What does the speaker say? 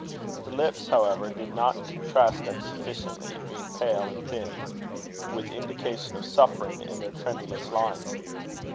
The lips, however, did not contrast them sufficiently, being pale and thin, with indication of suffering in their tremulous lines.